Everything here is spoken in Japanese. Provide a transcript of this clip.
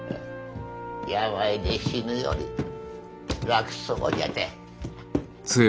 病で死ぬより楽そうじゃて。